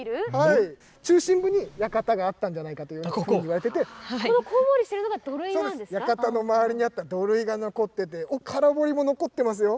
中心部に館があったのではないかと言われていて館の周りにあった土塁が残っていて空堀も残っていますよ。